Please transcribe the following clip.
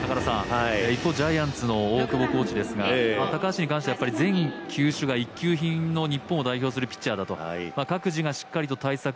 一方ジャイアンツの大久保コーチですが高橋に関しては全球種が一級品の日本のピッチャーだと。